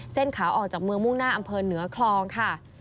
ขาออกจากเมืองมุ่งหน้าอำเภอเหนือคลองค่ะ